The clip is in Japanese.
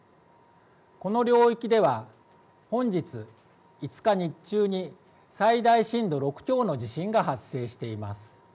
この領域では本日５日、日中に最大震度６強の地震が発生しています。